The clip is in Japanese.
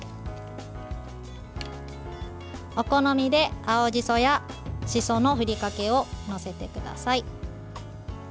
お好みで青じそやしそのふりかけを載せてください。